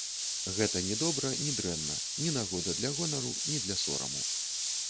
Гэта ні добра, ні дрэнна, ні нагода для гонару, ні для сораму.